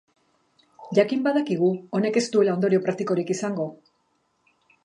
Jakin badakigu honek ez duela ondorio praktikorik izango.